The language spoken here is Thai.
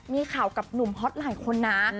มีข่าวกับหนุ่มฮอตหลายคนนะ